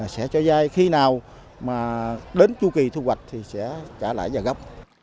sẽ cho dây khi nào mà đến chu kỳ thu hoạch thì sẽ trả lại và góp